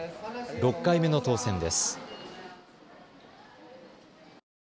６回目の当選です。